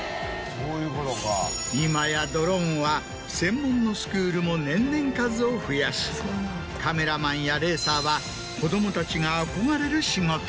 今やドローンは専門のスクールも年々数を増やしカメラマンやレーサーは。